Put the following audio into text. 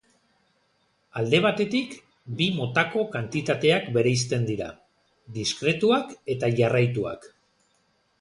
Alde batetik, bi motako kantitateak bereizten dira: diskretuak eta jarraituak.